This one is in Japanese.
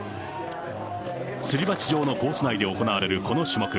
すり鉢状のコース内で行われるこの種目。